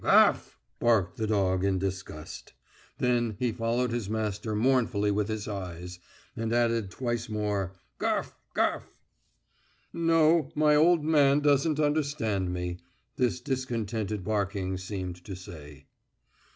"Gaff!" barked the poodle in disgust. Then he followed his master mournfully with his eyes, and added twice more, "Gaff, gaff." "No, my old man doesn't understand me," this discontented barking seemed to say.